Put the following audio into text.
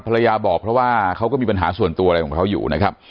ภรรยาบอกเพราะว่าเขาก็มีปัญหาส่วนตัวอะไรของเขาอยู่นะครับ